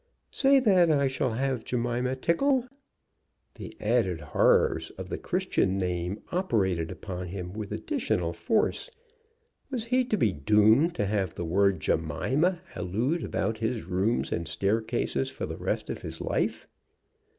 "Say that I shall have Jemima Tickle!" The added horrors of the Christian name operated upon him with additional force. Was he to be doomed to have the word Jemima hallooed about his rooms and staircases for the rest of his life?